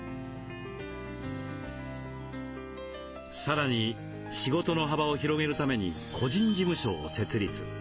さらに仕事の幅を広げるために個人事務所を設立。